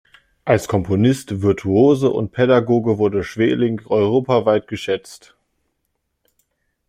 Als Komponist, Virtuose und Pädagoge wurde Sweelinck europaweit geschätzt.